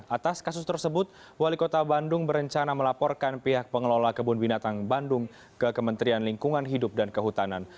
atas kasus tersebut wali kota bandung berencana melaporkan pihak pengelola kebun binatang bandung ke kementerian lingkungan hidup dan kehutanan